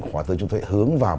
họa tư chúng tôi hướng vào